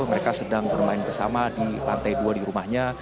mereka sedang bermain bersama di lantai dua di rumahnya